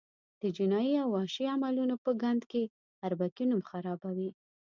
د جنایي او وحشي عملونو په ګند کې اربکي نوم خرابوي.